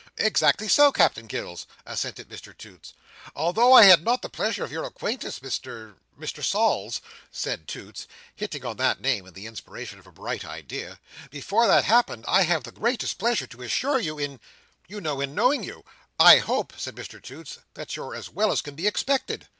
"Exactly so, Captain Gills!" assented Mr Toots. "Although I had not the pleasure of your acquaintance, Mr—Mr Sols," said Toots, hitting on that name in the inspiration of a bright idea, "before that happened, I have the greatest pleasure, I assure you, in—you know, in knowing you. I hope," said Mr Toots, "that you're as well as can be expected."